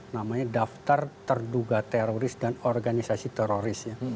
namanya daftar terduga teroris dan organisasi teroris ya